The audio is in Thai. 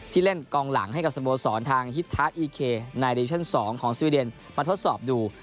ที่เล่นกองหลังให้กับสมบูรณ์สอนทางฮิตทักอีเคย์ในของสวีเดนมาทดสอบดู